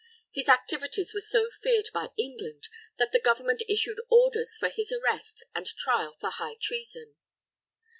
His activities were so feared by England, that the Government issued orders for his arrest and trial for high treason.